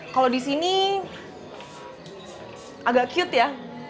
kalau disini agak cute ya